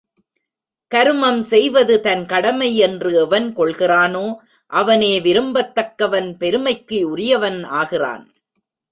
கருமம் செய்வது தன் கடமை என்று எவன் கொள்கிறானோ அவனே விரும்பத் தக்கவன் பெருமைக்கு உரியவன் ஆகிறான்.